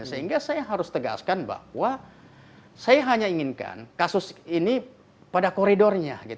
sehingga saya harus tegaskan bahwa saya hanya inginkan kasus ini pada koridornya